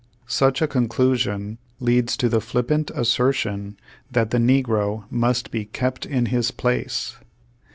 Such a conclusion leads to the flippant assertion that the negro must be "kept in his place."